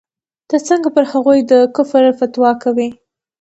ته څنگه پر هغوى د کفر فتوا کوې.